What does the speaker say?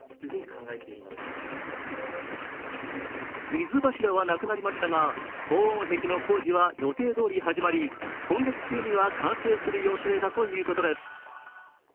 水柱はなくなりましたが、防音壁の工事は予定どおり始まり、今月中には完成する予定だということです。